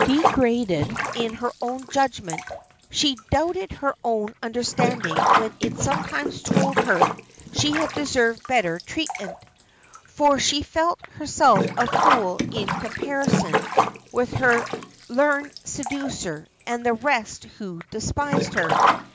Degraded in her own judgment, she doubted her own understanding when it sometimes told her she had deserved better treatment; for she felt herself a fool in comparison with her learned seducer and the rest who despised her.